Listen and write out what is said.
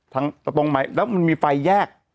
แล้วมันมีไฟแยก